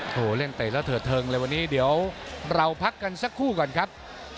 โอ้โหเล่นเตะแล้วเถิดเทิงเลยวันนี้เดี๋ยวเราพักกันสักครู่ก่อนครับ